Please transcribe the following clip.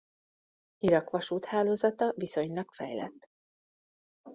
Irak vasúthálózata viszonylag fejlett.